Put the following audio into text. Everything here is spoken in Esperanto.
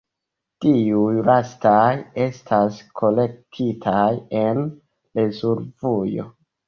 Tiuj lastaj estas kolektitaj en rezervujo.